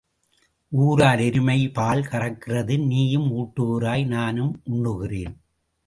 ஊரார் எருமை பால் கறக்கிறது நீயும் ஊட்டுகிறாய் நானும் உண்ணுகிறேன்.